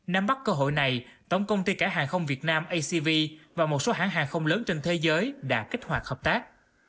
năm bắt cơ hội này tổng công ty cả hàng không việt nam acv và một số hãng hàng không lớn trên thế giới đã kích hoạt hợp tác